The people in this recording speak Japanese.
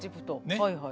はいはい。